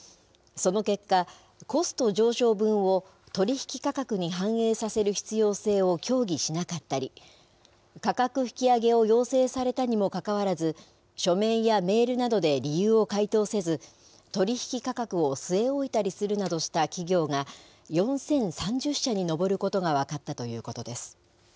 その結果、コスト上昇分を取り引き価格に反映させる必要性を協議しなかったり、価格引き上げを要請されたにもかかわらず、書面やメールなどで理由を回答せず、取り引き価格を据え置いたりするなどした企業が４０３０社に上ることが分かったということです。